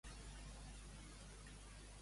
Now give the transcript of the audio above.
Tots els africans d'Àfrica no hi caben a Catalunya